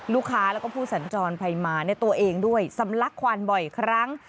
ลูกค้าแล้วก็ผู้สัญจรไปมาในตัวเองด้วยสำลักควันบ่อยครั้ง